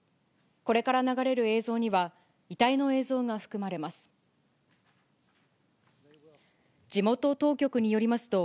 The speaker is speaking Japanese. これから流れる映像には、遺体の映像が含まれます。